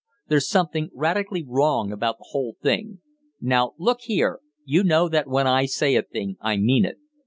There's something radically wrong about the whole thing. Now, look here, you know that when I say a thing I mean it.